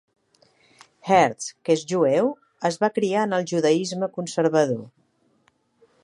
Gertz, que és jueu, es va criar en el judaisme conservador.